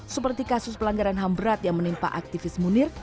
seperti kasus pelanggaran ham berat yang menimpa aktivis munir